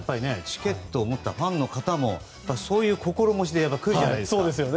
チケットを持ったファンの方もそういう心持ちで来るじゃないですか。